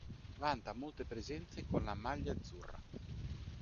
Vanta molte presenze con la maglia Azzurra.